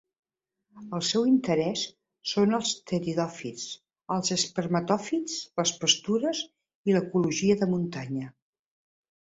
El seu interès són els pteridòfits, els espermatòfits, les pastures i l'ecologia de muntanya.